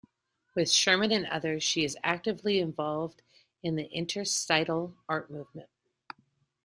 With Sherman and others, she is actively involved in the interstitial art movement.